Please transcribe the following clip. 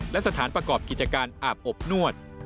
และสถานประกอบกิจการอาบอบนวด